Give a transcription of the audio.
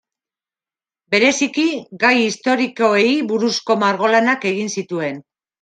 Bereziki, gai historikoei buruzko margolanak egin zituen.